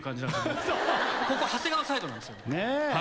ここ長谷川サイドなんですよ。